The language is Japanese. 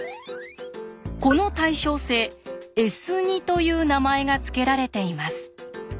この対称性「Ｓ」という名前が付けられています。